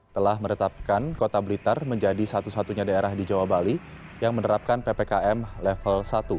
telah meretapkan kota blitar menjadi satu satunya daerah di jawa bali yang menerapkan ppkm level satu